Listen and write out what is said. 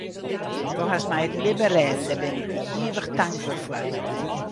Do hast my it libben rêden, dêr bin ik dy ivich tankber foar.